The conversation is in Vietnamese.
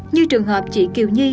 như trường hợp chị kiều nhi